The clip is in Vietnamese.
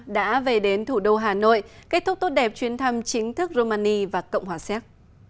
đã về đến thủ đô hà nội kết thúc tốt đẹp chuyến thăm chính thức romani và cộng hòa séc